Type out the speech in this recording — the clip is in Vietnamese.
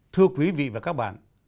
thưa quý vị và các bạn